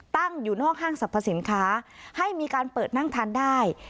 ตั้งอยู่นอกห้างสรรพสินค้าให้มีการเปิดนั่งทานได้